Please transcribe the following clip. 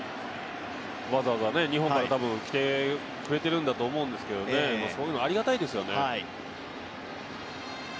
わざわざ日本からも来てくれてると思うんですけどそういうの、ありがたいですよね。